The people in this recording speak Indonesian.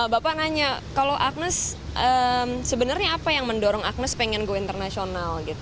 bapak nanya kalau agnes sebenarnya apa yang mendorong agnes pengen go internasional gitu